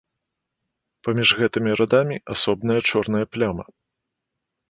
Паміж гэтымі радамі асобная чорная пляма.